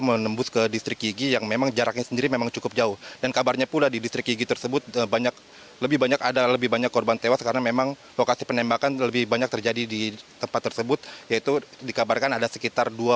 penangganan korban menembakan kelompok bersenjata di papua